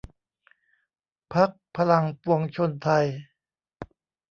พรรคพลังปวงชนไทย